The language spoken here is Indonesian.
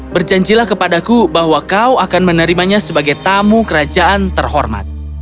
berjanjilah kepadaku bahwa kau akan menerimanya sebagai tamu kerajaan terhormat